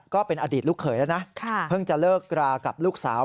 ก็เป็นอดีตลูกเขยแล้วนะเพิ่งจะเลิกรากับลูกสาว